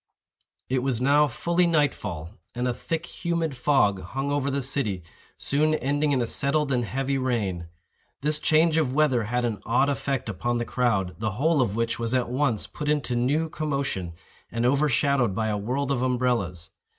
It was now fully night fall, and a thick humid fog hung over the city, soon ending in a settled and heavy rain. This change of weather had an odd effect upon the crowd, the whole of which was at once put into new commotion, and overshadowed by a world of umbrellas.